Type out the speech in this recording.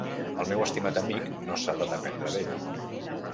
El meu estimat amic, no s'ha de dependre d'ell.